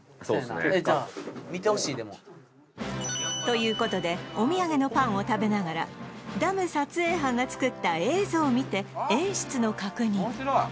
そうですねじゃあということでお土産のパンを食べながらダム撮影班が作った映像を見て演出の確認・